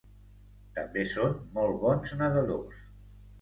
També són molt bons nedadors.